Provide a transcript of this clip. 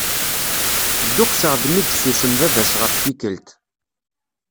Dduqseɣ-d mi yessusem baba-s ɣef tikkelt.